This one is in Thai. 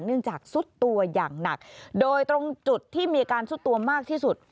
จากซุดตัวอย่างหนักโดยตรงจุดที่มีการซุดตัวมากที่สุด